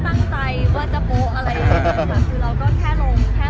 ตัวคิดมั้ยอย่างไร